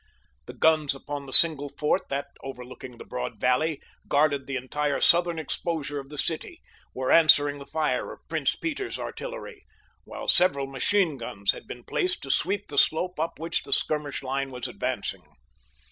The guns upon the single fort that, overlooking the broad valley, guarded the entire southern exposure of the city were answering the fire of Prince Peter's artillery, while several machine guns had been placed to sweep the slope up which the skirmish line was advancing.